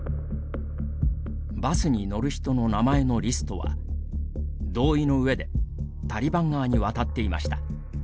バスに乗る人の名前のリストは同意の上でタリバン側に渡っていました。